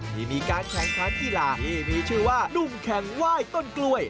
ที่มีการแข่งขันกีฬาที่มีชื่อว่านุ่มแข่งไหว้ต้นกล้วย